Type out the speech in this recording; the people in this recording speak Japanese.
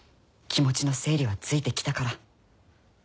気持ちの整理はついてきたから。